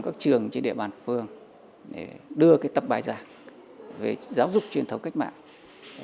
các trường trên địa bàn phường để đưa cái tập bài giảng về giáo dục truyền thống cách mạng